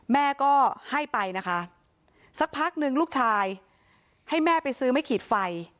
แม่ก็ให้ไปนะคะสักพักหนึ่งลูกชายให้แม่ไปซื้อไม่ขีดไฟ